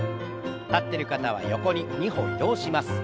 立ってる方は横に２歩移動します。